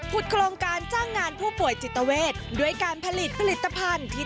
โครงการจ้างงานผู้ป่วยจิตเวทด้วยการผลิตผลิตภัณฑ์ที่